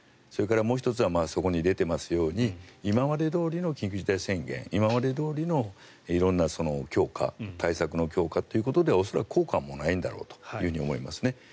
それから、もう１つはそこに出ていますように今までどおりの緊急事態宣言今までどおりの色んな対策の強化ということで恐らく効果もないんだろうと思うんですね。